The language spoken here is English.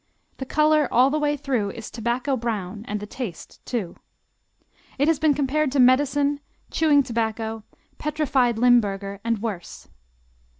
The color all the way through is tobacco brown and the taste, too. It has been compared to medicine, chewing tobacco, petrified Limburger, and worse.